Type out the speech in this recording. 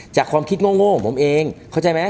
ความคิดโง่ของผมเองเข้าใจไหม